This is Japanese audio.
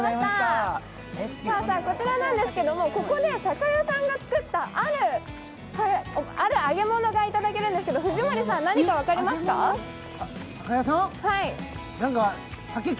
こちらなんですけど、ここで酒屋さんが作ったある揚げ物がいただけるんですけど、藤森さん、何か分かりますか？